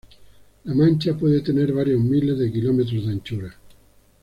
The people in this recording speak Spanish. La mancha puede tener varios miles de kilómetros de anchura.